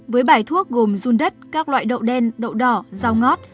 với bài thuốc gồm run đất các loại đậu đen đậu đỏ rau ngót